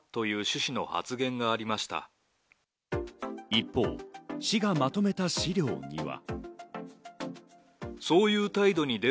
一方、市がまとめた資料には。